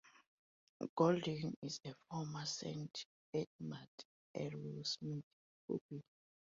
Goulding is a former Saint Edmund Arrowsmith pupil.